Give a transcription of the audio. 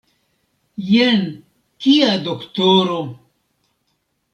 Jen kia doktoro!